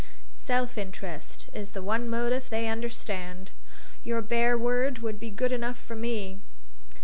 Self interest is the one motive they understand. Your bare word would be good enough for me."